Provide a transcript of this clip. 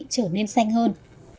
trở nên xanh hơn